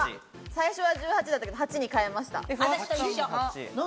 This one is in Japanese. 最初は１８だったけれども８に変えました。